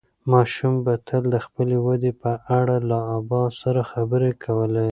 ماشوم به تل د خپلې ودې په اړه له ابا سره خبرې کولې.